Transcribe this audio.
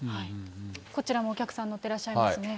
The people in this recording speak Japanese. こちらもお客さん、乗ってらっしゃいますね。